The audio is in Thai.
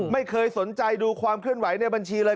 ไม่เคยสนใจดูความเคลื่อนไหวในบัญชีเลย